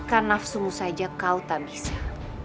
sayangnya aku juga sudah berubah pikir hara